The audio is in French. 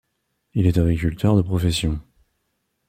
Il est agriculteur de profession.